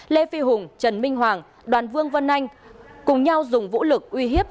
lê phi hùng trần minh hoàng đoàn vương vân anh cùng nhau dùng vũ lực uy hiếp